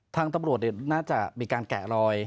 ทางตำรวจน่าจะมีการแกะรอย